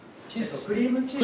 クリームチーズと。